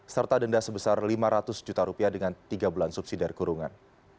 serta denda sebesar lima ratus juta rupiah dengan tiga bulan subsidi dari kurungan